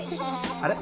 あれ？